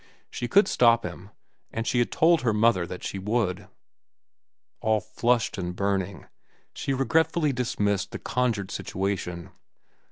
She could stop him, and she had told her mother that she would. All flushed and burning, she regretfully dismissed the conjured situation.